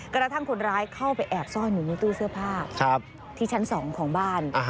กระทั่งคนร้ายเข้าไปแอบซ่อนอยู่ในตู้เสื้อผ้าที่ชั้น๒ของบ้าน